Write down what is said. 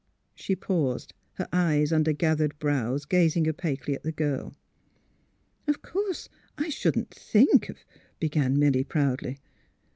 She paused, her eyes under gathered brows gaz ing opaquely at the girl. '' Of course I shouldn't think of " began Milly, proudly.